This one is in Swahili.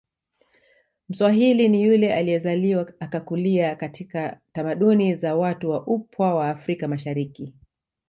Mswahili ni yule aliyezaliwa akakulia katika tamaduni za watu wa upwa wa afrika mashariki